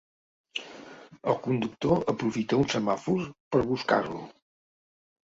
El conductor aprofita un semàfor per buscar-lo.